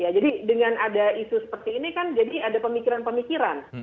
ya jadi dengan ada isu seperti ini kan jadi ada pemikiran pemikiran